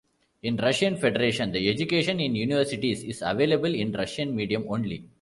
In Russian Federation the education in universities is available in Russian medium only.